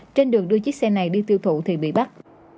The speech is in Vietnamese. trên đường đưa chiếc xe này đi tiêu thụ thì bị bắt